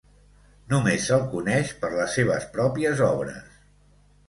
Només se'l coneix per les seves pròpies obres.